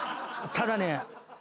ただね。